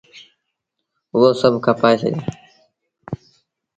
هئو سڀ کپآئي ڇڏيآ۔